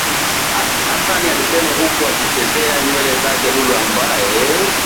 Hasani alisema huku akizichezea nywele zake Lulu ambaye